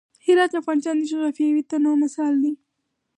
هرات د افغانستان د جغرافیوي تنوع مثال دی.